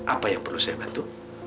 apa yang perlu saya bantu